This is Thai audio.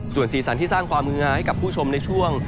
ส่วนสีสันที่สร้างความมือหาให้กับผู้ชมในช่วง